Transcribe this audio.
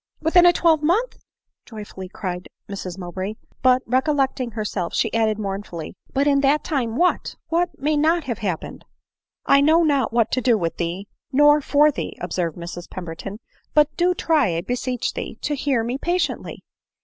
" Within a twelvemonth !" joyfully cried Mrs Mow bray ; but, recollecting herself, she added mournfully —" but in that time what — what may not have happened !"" I know not what to do with thee nor for thee," observed Mrs Pemberton ;" but do try, I beseech thee, to hear me patiently